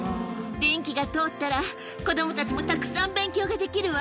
電気が通ったら、子どもたちもたくさん勉強ができるわ。